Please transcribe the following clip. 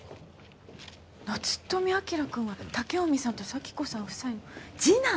夏富輝くんは武臣さんと紗輝子さん夫妻の次男？